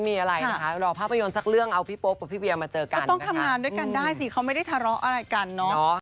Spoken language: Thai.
เวียด้วยกันได้กับเวียไม่มีอะไรเลย